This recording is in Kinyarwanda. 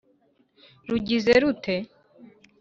Rugize rute